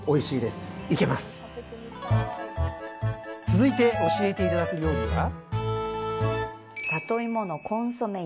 続いて教えて頂く料理は？